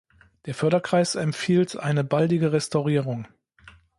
Der Förderkreis empfiehlt eine baldige Restaurierung.